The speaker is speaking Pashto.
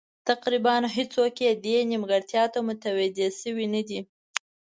تقریبا هېڅوک یې دې نیمګړتیا ته متوجه شوي نه دي.